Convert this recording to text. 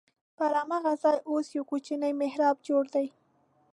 پر هماغه ځای اوس یو کوچنی محراب جوړ دی.